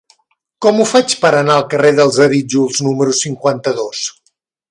Com ho faig per anar al carrer dels Arítjols número cinquanta-dos?